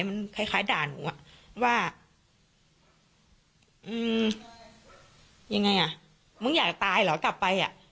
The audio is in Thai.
มันคล้ายด่าหนูว่ายังไงอ่ะมึงอยากตายเหรอกลับไปอ่ะ